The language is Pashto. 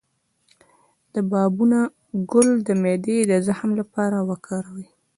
د بابونه ګل د معدې د زخم لپاره وکاروئ